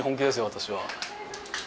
私は。